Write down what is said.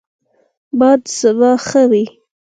باد د سبا نښه وي